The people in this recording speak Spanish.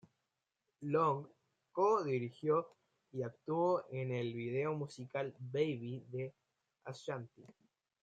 Long co-dirigió y actuó en el video musical "Baby" de Ashanti.